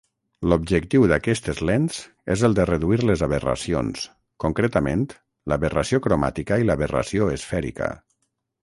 L'objectiu d'aquestes lents és el de reduir les aberracions, concretament l'aberració cromàtica i l'aberració esfèrica.